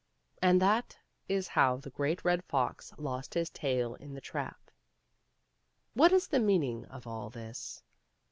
And that is how the Great Red Fox lost his tail ih the trap. What is the meaning of all ihis